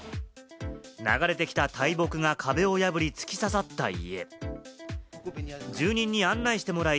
流れてきた大木が壁を破り、突き刺さった家。